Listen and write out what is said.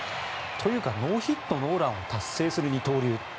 というか、ノーヒットノーランを達成する二刀流。